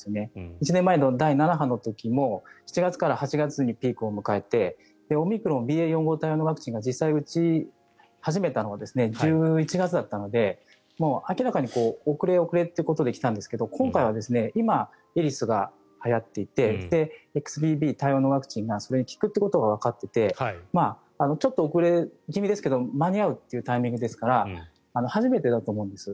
１年前の第７波の時も７月から８月にピークを迎えてオミクロンＢＡ．４、５のワクチンが実際に打ち始めたのが１１月だったので明らかに遅れ遅れということで来たんですが今回は今、エリスがはやっていてＸＢＢ対応のワクチンがそれに効くということがわかっていてちょっと遅れ気味ですが間に合うというタイミングですから初めてだと思うんです。